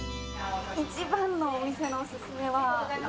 一番のお店のお勧めは？